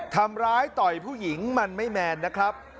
ทำร้ายต่อยผู้หญิงมันไม่แมนนะครับ